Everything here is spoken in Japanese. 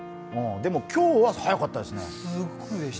でも、今日は早かったですね。